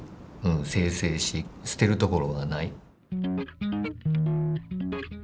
精製し捨てるところがない。